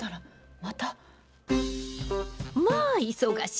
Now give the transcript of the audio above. ま忙しい！